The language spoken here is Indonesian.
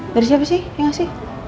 dari siapa sih ya nggak sih